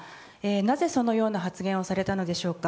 なぜそのような発言をされたのでしょうか。